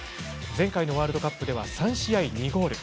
前回のワールドカップでは３試合２ゴール。